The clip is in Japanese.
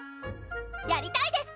やりたいです！